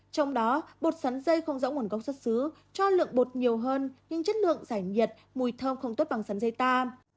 trong đó bột sắn dây không rõ nguồn gốc xuất xứ cho lượng bột nhiều hơn nhưng chất lượng giải nhiệt mùi thơm không tốt bằng sắn dây ta